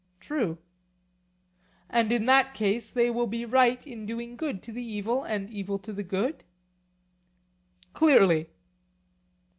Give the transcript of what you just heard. True. And in that case they will be right in doing good to the evil and evil to the good? Clearly.